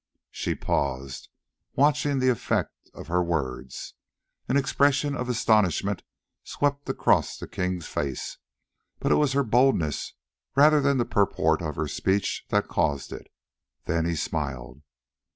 She paused, watching the effect of her words. An expression of astonishment swept across the king's face, but it was her boldness rather than the purport of her speech that caused it. Then he smiled.